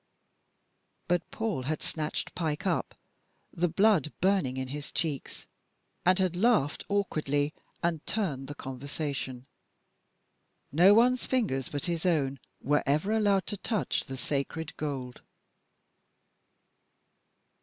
But Paul had snatched Pike up, the blood burning in his cheeks, and had laughed awkwardly and turned the conversation. No one's fingers but his own were ever allowed to touch the sacred gold.